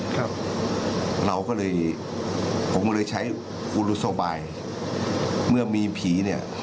ครับเราก็เลยผมก็เลยใช้บุรุษบายเมื่อมีผีเนี่ย